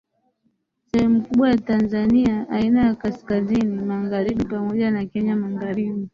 Sehemu kubwa ya Tanzania ya kaskazini magharibi pamoja na Kenya magharibi